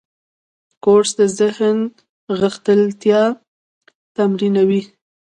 کورس د ذهن غښتلتیا تمرینوي.